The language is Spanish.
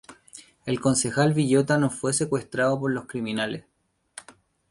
El concejal Villota no fue secuestrado por los criminales.